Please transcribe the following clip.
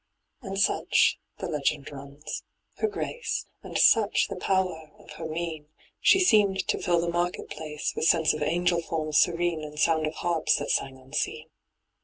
And such, the legend runs, her grace, And such the power of her mien, She seemed to fill the market place With sense of angel forms serene ^ And sound of harps that sang unseen.